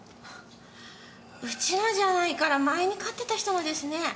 うちのじゃないから前に飼ってた人のですね。